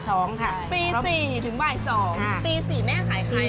ตี๔แม่ขายใคร